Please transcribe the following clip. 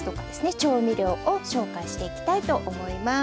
調味料を紹介していきたいと思います。